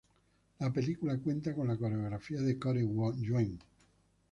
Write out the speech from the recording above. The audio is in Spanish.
La película cuenta con la coreografía de Corey Yuen.